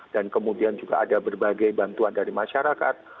dan kemudian juga ada berbagai bantuan dari masyarakat